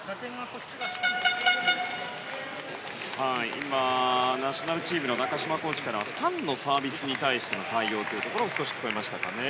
今、ナショナルチームの中島コーチからタンのサービスに対しての対応というのが聞こえましたかね。